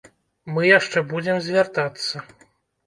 Мы яшчэ будзем звяртацца.